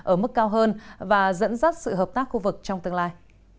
ở mức cao hơn và dẫn dắt sự hợp tác khu vực trong tương lai